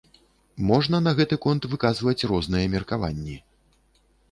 Можна на гэты конт выказваць розныя меркаванні.